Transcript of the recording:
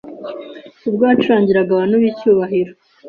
ubwo yacurangiraga abantu b’icyubahiro